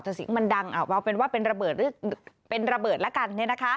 แต่เสียงมันดังเอาเป็นว่าเป็นระเบิดหรือเป็นระเบิดละกัน